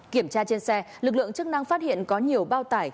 kiểm tra trên xe lực lượng chức năng phát hiện có nhiều bao tải